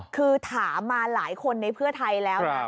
คือถามมาหลายคนในเพื่อไทยแล้ว